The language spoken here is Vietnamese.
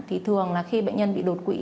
thì thường là khi bệnh nhân bị đột quỵ